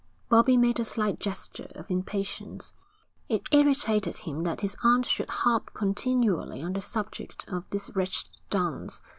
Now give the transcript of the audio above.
Bobbie made a slight gesture of impatience. It irritated him that his aunt should harp continually on the subject of this wretched dance.